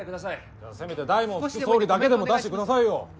・じゃあせめて大門副総理だけでも出してくださいよ。